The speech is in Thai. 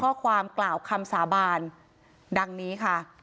ข้อความกล่าวคำสาบานดังนี้ค่ะ